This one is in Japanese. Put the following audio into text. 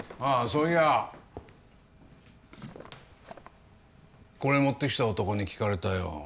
そういやこれ持ってきた男に聞かれたよ